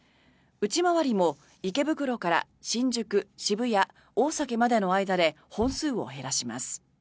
内回りも池袋から新宿、渋谷、大崎までの間で本数を減らします。